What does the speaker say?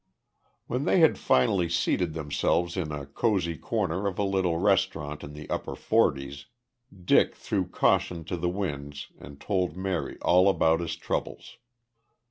When they had finally seated themselves in a cozy corner of a little restaurant in the upper Forties, Dick threw caution to the winds and told Mary all about his troubles.